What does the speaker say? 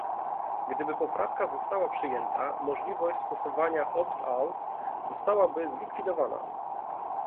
Gdyby poprawka została przyjęta, możliwość stosowania opt-out zostałaby zlikwidowana